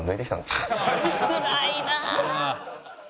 つらいな。